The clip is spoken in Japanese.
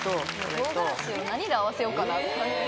唐辛子を何で合わせようかなって考えてる。